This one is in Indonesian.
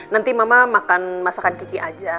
nanti mama makan masakan kiki aja